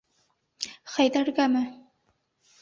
Хәйҙәргәме?